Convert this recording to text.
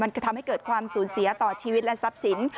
จะทำให้เกิดความสูญเสียต่อชีวิตและทรัพย์สิน